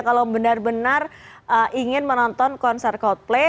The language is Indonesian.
kalau benar benar ingin menonton konser coldplay